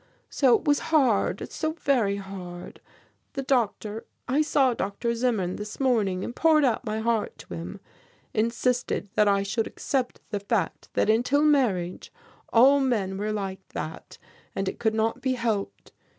So it was hard, so very hard. The Doctor I saw Dr. Zimmern this morning and poured out my heart to him insisted that I should accept the fact that until marriage all men were like that, and it could not be helped.